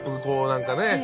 こう何かね。